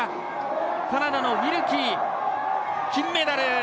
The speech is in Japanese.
カナダのウィルキー、金メダル。